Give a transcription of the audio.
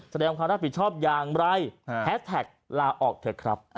แสดงความรับผิดชอบอย่างไรแฮสแท็กลาออกเถอะครับ